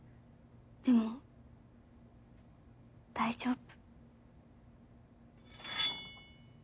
でも大丈夫。